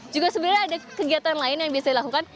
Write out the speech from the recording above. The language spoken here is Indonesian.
juga sebenarnya ada kegiatan lain yang bisa dilakukan